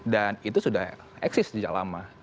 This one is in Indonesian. dan itu sudah eksis sejak lama